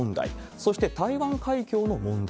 そして、台湾海峡の問題。